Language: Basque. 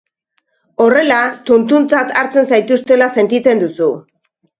Horrela tuntuntzat hartzen zaituztela sentitzen duzu.